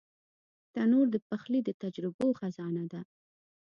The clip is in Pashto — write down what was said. تنور د پخلي د تجربو خزانه ده